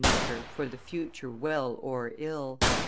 Necker for the future well or ill."